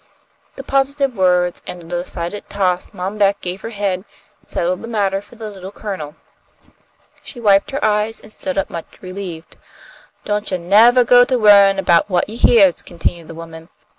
The positive words and the decided toss Mom Beck gave her head settled the matter for the Little Colonel. She wiped her eyes and stood up much relieved. "Don't you nevah go to worryin' 'bout what you heahs," continued the woman.